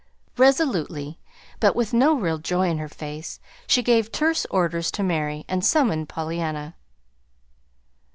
Resolutely, but with no real joy in her face, she gave terse orders to Mary, and summoned Pollyanna.